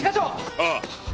ああ。